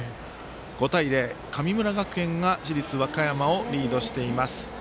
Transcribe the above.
５対０、神村学園が市立和歌山をリードしています。